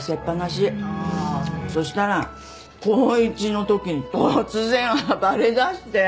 そしたら高１の時に突然暴れだして。